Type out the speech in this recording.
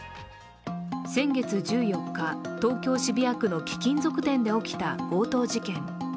先月１４日、東京・渋谷区の貴金属店で起きた強盗事件。